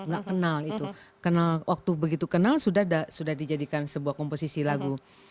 gak kenal itu kenal waktu begitu kenal sudah sudah dijadikan sebuah komposisi lagu